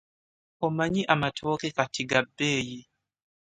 Omanyi amatooke kati ga bbeeyi.